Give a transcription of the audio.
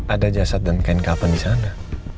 ada jasad dan kain kapan di sana